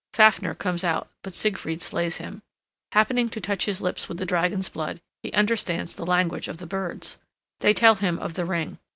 Fafner comes out, but Siegfried slays him. Happening to touch his lips with the dragon's blood, he understands the language of the birds. They tell him of the ring.